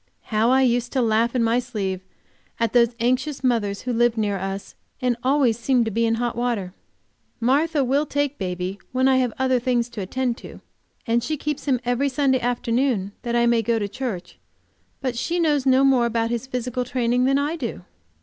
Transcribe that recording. How I used to laugh in my sleeve at those anxious mothers who lived near us and always seemed to be in hot water. Martha will take baby when I have other things to attend to, and she keeps him every Sunday afternoon that I may go to church, but she knows no more about his physical training than I do.